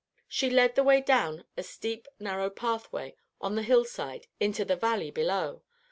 She led the way down a steep narrow pathway on the hill side into the valley below.